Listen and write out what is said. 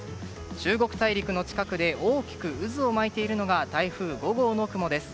中国大陸の近くで大きく渦を巻いているのが台風５号の雲です。